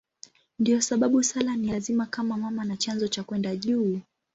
Ndiyo sababu sala ni ya lazima kama mama na chanzo cha kwenda juu.